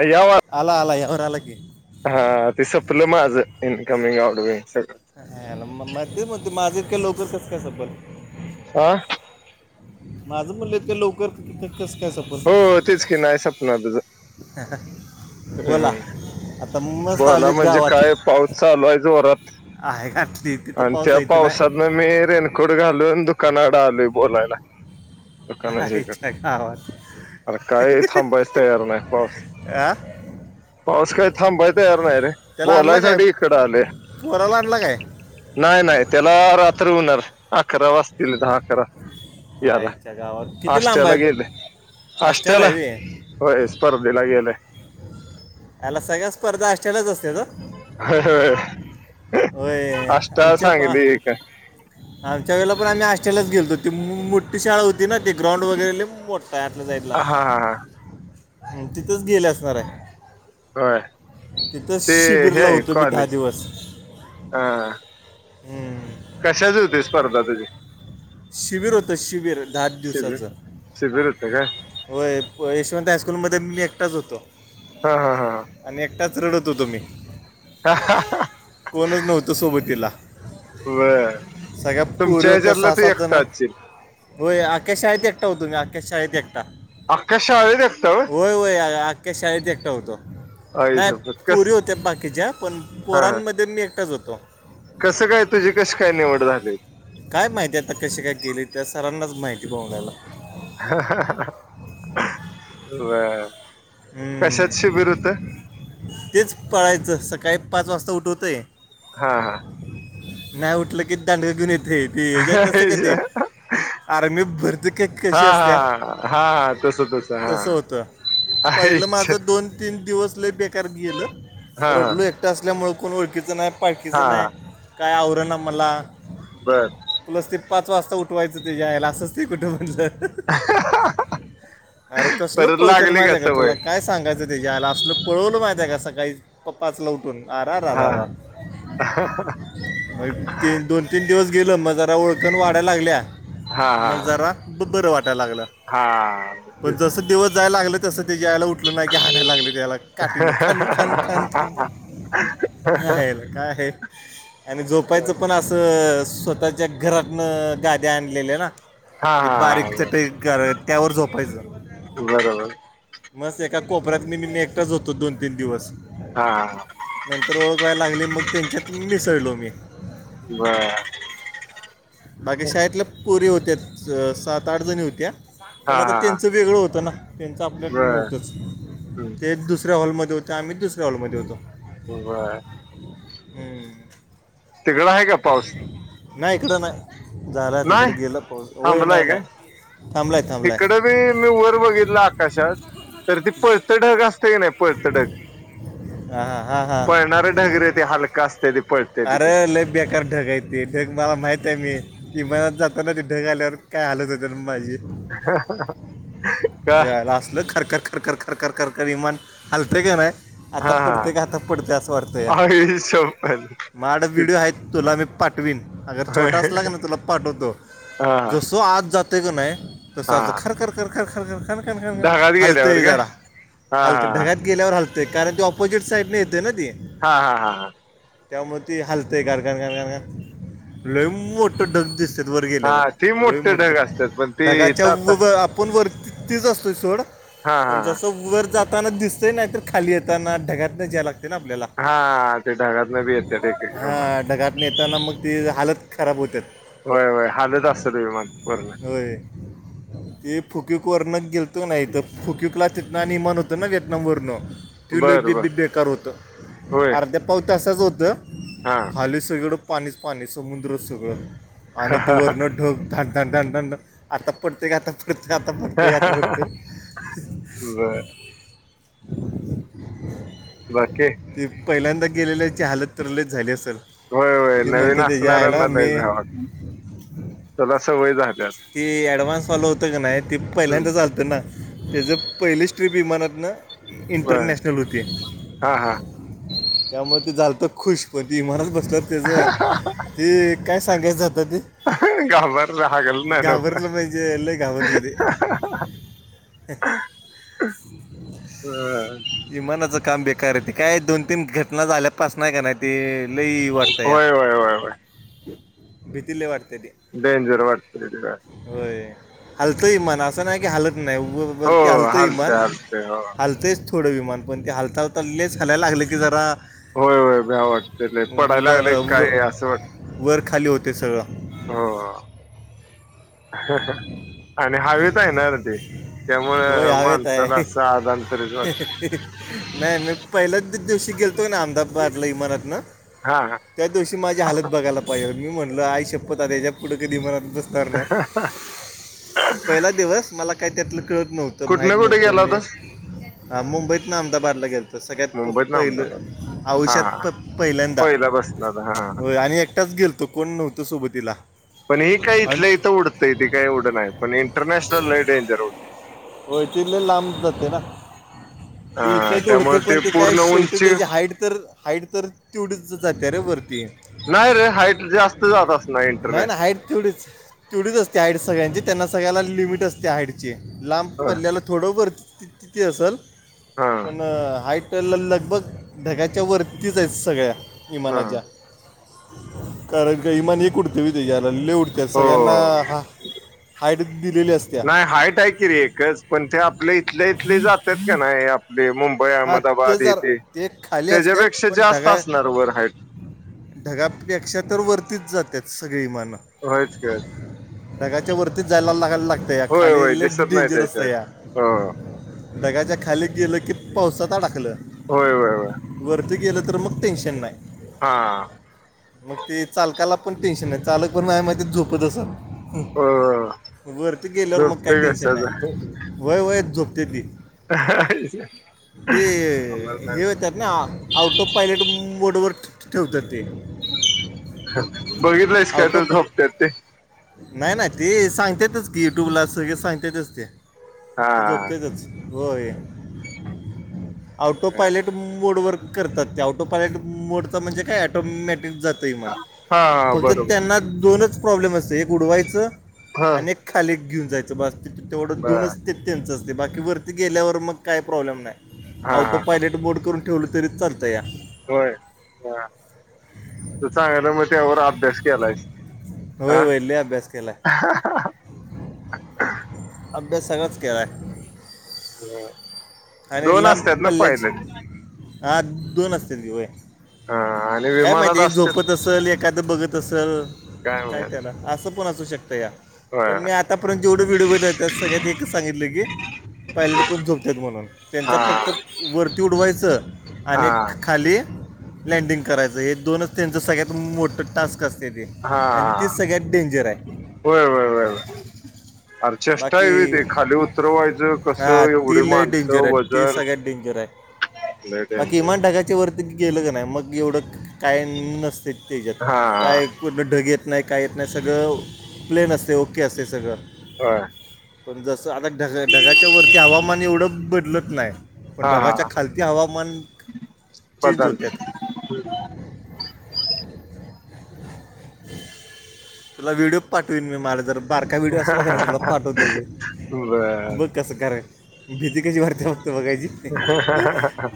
अवा आला आला एर आला क हा ते सपलं माझं इन्कमिंग आउड बंग ह मध्ये म माझ्या इतक लोकचच का सबर आा माझं म्हणलंत का लोक स काय हो सपल तेच की नाही सपन तुझं बोला आता मस्त बला आलो म्हणजे गावात काय पाऊस चालू आहे जोरात आहे घातली तिथं आणि पाऊस त्या आहे इथं नाही पावसातन मेरेन कुडगा आलू तू कनाडा आलूय बोलायला दुकाना जेकड आईच्या गावात अरे काय थांबायच तयार नाही पाऊस आ पाऊस काही थांबाय तयार नाही रे त्याला आणला काय बोलायसाठी इकड आले पोराला आणला काय नाही नाही त्याला रात्री होणार अकरा वाजतील दहा अकरा याला आईच्या गावात किती अस्े लांब अला गेले आहे आष्ट्याला अस्ेला आहे बे. होय स्पर्धेला गेलंय याला सगळ्या स्पर्धा अस्रलच असते तर हयय होय अष्टा सांगली का हा त्यावेला पण आम्ही हस्टेलाच गेलो मो मो मोठी शाळा होती. ती न त ग्राउंड वगैरे लय मोठतं आहे आतल्या जाईडला. हा हा हा तिथंच गेले असणार आहे. होय तिथं ते हे शिबिरला आहे होतो मी दहा कॉलेज दिवस. हा हा हम्म, कशाच होती स्पर्धा तुझी. शिबिर होतं शिबिर दहा शिबिर दिवसाचं. शिबिर होतं काय. होय यशवंत हायस्कूलमध्ये मी एकटाच होतो. हा हा हा हा. आणि एकटाच रडत होतो मी. का हा हा ह. कोणच नव्हतं सोबतीला. बर सगळ्या पोरी तुमच्या होत्या ह्याच्यातला सहा तू सात जण. एकटा असशील हो अख्ख्या शाळेत एकटा होतो मी अख्ख्या शाळेत एकटा. अख्या शाळेत एकटा वय. होय होय आख्या शाळेत एकटा होतो. आई नाही शप्पथ कस पोरी होत्या बाकीच्या पण हा हा पोरांमध्ये मी एकटाच होतो. कसं काय तुझी कशी काय निवड झाली. काय माहितीय आता कशी काय गेले त्या सरांनाच माहिती बघयला. बर हम्म कशाच शिबिर होतं. तेच पळायचं सकाळी पाच वाजता उठवतय. हा हा. नाही उठलं कि दांड घेऊन येते ते हेजात नसते काय ते. हा आर मी भरती का हा कशी असत्या हा हा तस हा तस होतं. पहिलं आईच माझं दोन तीन दिवस लय बेकार गेलं. हा हा रडलो एकटं असल्यामुळे कोण ओळखीचं नाही पाळखीचं हा नाही काय आवरण मला. बर. मस्त ते पाच वाजता उठवायचं तेजा आईला असंच असते कुठं म्हणलं. अरे कसलच परत पळत्यात लागली माहिती का. सवय तुला काय सांगायचं त्याच्या आला असलं पळवलं माहिती आहे का सकाळी प पाचला उठून. उठून आ रा रा रा हा रा. मग ते दोन तीन दिवस गेल मग जरा ओळखण वाढा लागल्या हा मग जरा. बरं वाटायला लागलं हा पण तेच जस दिवस जायला लागलं. तसं ते ज्यायला उठलं नाही. की हाणायला लागलं त्याला काठीनं खान खान खान. हा हा. आहेल काय आहे. आणि झोपायचं पण असं अ स्वतःच्या घरातन गाद्या आणलेल्या ना. हा ती हा बारीक चटई क र त्यावर झोपायच. बरोबर. मस एका कोपऱ्यात मी मी एकटाच होतो दोन तीन दिवस. हा नंतर ओळख वयला लागली मग त्यांच्यात मिसळलो मी. बर. बाकी शाळेतल्या पोरी होत्या सात आठ जणी होत्या. हा पण आता हा त्यांचं वेगळं होतं ना त्यांच आपल्या न बर तच ते दुसऱ्या हॉलमध्ये होत्या आम्ही दुसऱ्या हॉलमध्ये होतो. हो बर. हम्म. तिघडा आहे का पाऊस. नाही इकडं नाही झालात इकड नाही गेलं होय नाही नाही. थांबलाय थांब हिकड बी मी वर बघितलं आकाशात. तर ती पळत ढग असते. की नाही पळतढग हां हां हां हां पळणार ढगरे ते हलका असते. ते पळते तिथे अरे लय बेकार ढग आहे ते ढग मला माहित आहे. मी की मनात जाताना ते ढे ग आल्यावर काय हलत हो माझी का याला असलं खरखर खरखर ख कर कर कर कर विमान हलते का नाही आहे आता हा पडतंय काय का हा आता पडतंय असं वाटतंय आई शप्पथ माड [inaudible] व्हिडिओ आहे तुला मी पाठ नवीन अगर छोटा अस लाग ना तुला पाठवतो हा जसो आत जाते का नाही. तसचं हा खर खर खर खर खन खन ढगात गेल्यावर हालते काय जरा हा हालते हा ढगात गेल्यावर हलतययं कारण ती ऑपोजिट साइड न येते ना ती हा. हा. हा हां त्यामुळे ते हालतयं गर गर गर गर लई मोठं ढग दिसतं वर हा गेल्यावर ती लयं मोठे ढग असतात पण मोठं ते ढगाच्या इथं आता आपण वर तिचं असतो सोड हा हा पण जसं वर जाताना दिसतंय नाही तर खाली येताना ढग यला लागते ना आपल्याला हा ते ढागातन बी येत. हा ढगात न येताना मग ती हालत खराब होत. होय होय हालत असतं ते विमान वरणं हो. ते फुकक वरण गेलतो नाही तर फुककलाचेत ना आणि मण होतं ना येतना म वर्ण बर ट्युलपी बर बी बेकार होतं होय अर्ध्या पाव त असंच होतं. हा खाली सगळ पाणीच पाणी समुद्र सगळं आणि ती वरण ढग ध न न नन आता प्रत्येक आता कधी आता पडते. आता पडते. बर बाकी. तेी पहिल्यांदा गेल्याची हालत तर लईच झाली असेल होय होय ते नवीन म्हणते त्याच्या आयला असणाऱ्यांना मी नाही बेव वाटतंय त्याला सवय झालं ती ॲडव्हान्स वाले होतं काी नाही तेी हम्म पहिल्यांदा चालतं ना त्याचं पहिलीच ट्रिप विमानातनं बर इंटरनॅशनल होती हा हा त्यामुळे ते झालंय खुश पण ते इमारत बसतात त्याचं ते काय सांगायचं जातं ते गावात घाबरलं पाहिजे ते लई घाबरलेते हम, विमानाचं काम बेकार आहे ते काय दोन तीन घटना झाल्यापासुन का नाही ते लई वाढताया होय होय होय होय भिती लई वाटतंय ते डेंजर वाटतंय होय हलत विमान असं नाही की हालत नाही. हो वरती हलते विमान हालतंय हालतंय हो हालत तेच थोडं विमानपण ते हलता हलता लेच हायला लागलं की जरा होय होय भव्य वाटत पडायला उभं- लागलेय काय असं वाटत उभं- वर खाली होते सगळं ह आणि हेवेत आहे ना ते त्यामुळे होय हवेत माणसाला आहे असं आधानंतरी वाटतं नाही मी पहिल्याच दिवशी गेलतोय ना अहमदाबादला विमानं हा. हा. त्या दिवशी माझी हालत बघायला पाहिजे मी म्हणलं आय शपथ आात याच्या पुुं कधी मत बस ह [unintelligible] आला दिवस मला काय त्यातलं कळतं नव्हंतं. कुठंन कुठें गेलास होता? हा मुंबईत ना अहमदाबादला गेल तर सगळ्यात मुंबईत ना अहमदाबाद पहिलं हा आयुष्यात पहिल्यांदा पहिला बसणार हा होय. आणि एकटाच गेलतो कोण नव्हतो सोबतीला. पण ही काही आणि इथलं इथं उडतं काही ऐवड नाही पण इंटरनॅशनल डेंजर उडतं. व्हय ते लई लांब जाते ना. हा इथं ते उडते त्यामुळे पण ते काय पूर्ण शेवटी उंची त्याची व्हाइट तर व्हाईट तर तेवढीच जातंय रे वरती नाही रे व्हाईट जास्त जात असणार इंटरमॅ [unintelligible] तुडीच असते हाड सगळ्यांची त्यांना सगळ्याला लिमिट असते हाडचे लांब हा पडल्यालं थोडंभ तिथे असेल हा पण हाईट, तर ल लगभग ढग्याच्या वरतीच आहेत सगळ्या हा विमानाच्या. कारण का इमाण एक उडते वि ते याला ले उडत सगळ्यांना हो हा हाईट दिलेली असत्या नाही हायट आहे कि र एकच पण ते आपल्या इथल्या इथले जातात का नाही आपले मुबई हा ते अहमदाबाद जर इथे ते खाली असतात त्याच्यापेक्षा पण जास्त ढगा असणार वर हाईट. ढगापेक्षा तर वरतीच जाते सगळीमानं. होयच का टगाच्या वरतीच जायला लागयला लागत. होय खाली होय दिसत नाही डेंजर त्याच्यात असतंय या हो ढगाच्या खाली गेलं कि पावसातडाकलं होय होय होय वरती गेलं तर मग टेन्शन नाही. हा मग ते चालकाला पण टेन्शन नाही चालक पण माग झोपत असाल. हो वरती गेल्यावर मग काही झोपते टेन्शन कशाचा नाही वय वय झोपते ती. ह ते हे होतात ना आउट ऑफ पायलट मोडवरर ठेवतात ते. बघितलंयस काय आउट तर ऑफ झोपतत ते नाही नाही ते सांगताातच की युट्यूब ला सगळळे सांगताातच ते. हा ते झोपतेेतच होय. हा ऑटोपायलट मोडवर करतात त्या ऑटोपायलट मोडच म्हणजे काय ॲटोमॅटिक जात न हा फक्त बरोबर त्यांना दोनच प्रॉब्लेम असत एक उडवायचं हा आणि खाली घेऊन जायचं बस्त तेवढं बर दोनच ते त्यांचं असते बाकी वरती गेल्यावर मग काय प्रॉब्लेम नाही. हा ऑटो हा हा. पायलट बोर्ड करून ठेवलं तरी चालतंय. होय त सांगायला मग त्यावर अभ्यास केलायच. वयर वयले अभ्यास केला. अभ्यासगच कलाय. आणिर दोन लांब असतात ना पल्ले पायलट हा दोन असत घऊय हा आणि काय विमानात माहिती एक असतेच झोपत असते. एाद बघत असल काय त्याला अस पण असू शकत या पण होय मी आ त्यापर्ंत जेढे व्हडिओ बोललाले त्या सगळ्यांनी एकच सांगितलं की पायलट पण झोपतात म्हणून त्यांचा हा फक्त वरती उडवायचं. हा आणि खाली लँडिंग करायचं हे दोनच त्यांचं सगळ्यात मोठं टास्क असते ते. आणि हा ती सगळ्यात डेंजर आहे. हो अर चेष्टा आहेवी बाकी ते खाली उतरवायचं हां कसं एवढी ती लय डेंजर माणसं आहे ती वजन. सगळ्यात डेंजर [unintelligible] त्याच्यावरती मी गेलं का नाही मग एवढं काय नसत त्याच्यात हा काय कुठलं ढगेत. नाही काय येत नाही सगळं प्लेन असते ओके असते सगळं. हा पण जसं आता ढग ढगाच्या वरती हवामान एवढं बदलत नाही पण हा हा ढगाच्या खालती हवामान चेंज होते ह तुला व्हिडिओ पाठवन मी मला जर बारका व्हिडिओ असला का नाही तुला पाठवतो मी बर बघ कसं करय भीती कशी वारती ह ह ह ह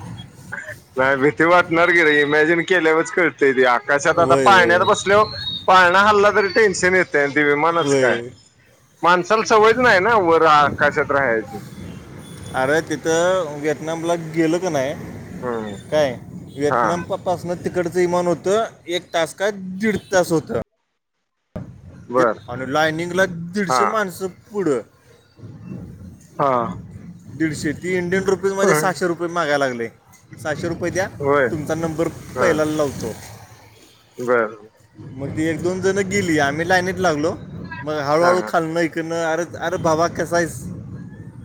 नाही भीती वाटणार गी रे इमॅजिन केल्यावरच कळतेय ते आकाशात आता वय पाहण्या वय बस पाळणा हल्ला तरी टेन्शन येते दिव्यमानच वय काय वय. माणसाला सवज नाही आहे ना व रा कशात राहायची अरे तिथं व्हएतनामला गेलं का नाही हम्म काय हा व्हएतनाम प पासन तिकडचं इमान होतं एक तास का दीड तास होतं बर आणि लाईनिंग ला हा दीडशे माणसं पुढं हा दीडशे ती इंडियन रुपीज मध्ये सहाशे होय रुपये मागाय लागले सहाशे रुपये द्या होय तुमचा नंबर पहिलाला लावतो बरंर मग ती एक दोन जण गेली आम्ही लाईणीत लागलो मग हा हळूहळू हा खालण िकन अरे अरे बाबा कसा आहेस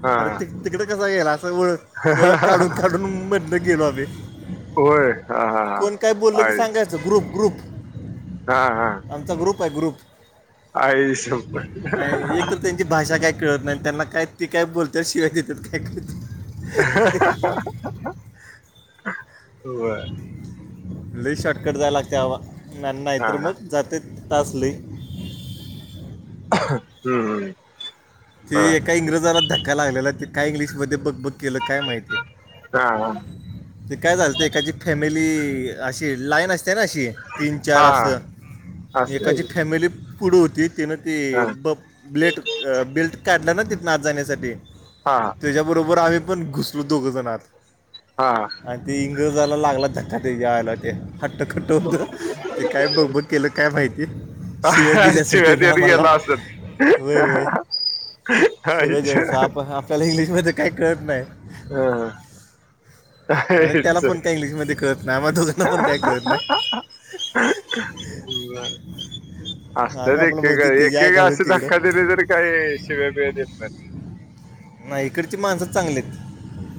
हा अरे त तिकडे कसा गला ओळ ओळख काढून काढून ब गेलो आम्ही होय हा हा हा कोण काय बोलल की आईस सांगायचं ग्रुप ग्रुप हा हा आमचा ग्रुप आहे ग्रुप नाही, एक तर आईसपथ त्यांची भाषा काय कळत नाही त्यांना काय ते काय बोलतात शिवाय देतात काय कत ह हो लई शॉर्टकट जाय लागते हवा नाही हा तर हा हम्म मग जाते तास लई हम्म ते एका इंग्रजाला धक्काय लागलेला त ते काय इंग्लिशमध्येध्ये बघ बघ केलं काय माहितीय हा हा ते काय झालत एकाची फॅमिली अशी लाईन असते ना अशी तीन चार हा असं असतय एकाची की फॅमिली पुढे होती तन ती हा ब ब्लेट बिल्ट काढला ना तिथ आत जाण्यासाठी हा हा त्याच्याबरोबर आम्ही पण घुसलो दोघं जण आात हा आणि ते इंग्र जायला लागला धक्का ते घेवायला ते हट्टखट्ट होत ते काय बघ बघ केलं काय माहिती शिवाय दिल्या असलं शिव्या त्याना देत आम्हाला गेला असल होय वय आईच्या शिवाजस आपण आपल्याला इंग्लिश मध्ये काही कळत नाही हम हा आणि त्याला पण काय इंग्लिशमध्ये कळत नाही म दोघांना पण काय कळत नाही हा आम्ही असतच आपलं एकेका म्हणतो ते जाय एकेका घालून असे धक्का तिकडं दिले तरी काही शिव्या बिव्या देत नाहीत नाही इकडची माणसंच चांगलीत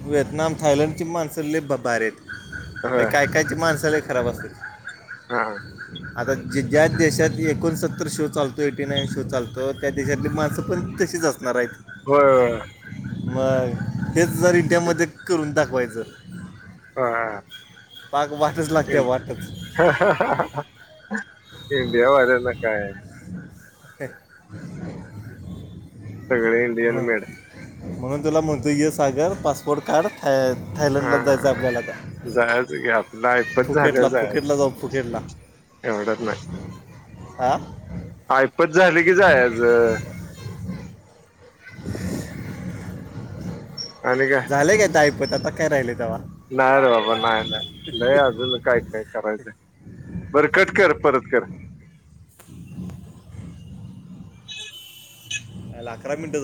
व्हिएतनाम थायलंड माणसले ब बार आहेत होय कायकायची माणसाला खराब असते हा आता जे ज्या देशात एकोणसत्तर शो चालतो एटी नाईन शो चालतो त्या देशातली माणसं पण तशीच असणार हाईत. होय. मग हेज जर तेच इंडियामध्ये करून दाखवायचं. हा पाक वाटच लागत्या वाटच. इंडिया वाल्याना काय. [inaudible] सगळ इंडियन मग मेड. म्हणून तुला मंतुय ये सागर पासपोर्ट काढ थायलंडला जायचं आपल्याला आता. जायच की आपलं आयपत झालं वर जायच, फुकेटला जाऊ एवढ्यात नाय. आ. ऐपत झाली की जायाच. आणि काय? झाल्या की आता ऐपत आता काय राहिलंय तव्हा? नाही रे बाबा नाही नाही, नाही अजून काय काय करायचंय. बर कट कर परत कर. आईला अकरा मनिट झा